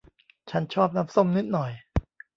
ฉันชอบน้ำส้มนิดหน่อย